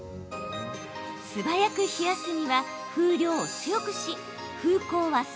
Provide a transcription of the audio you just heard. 素早く冷やすには風量を強くし風向は水平に。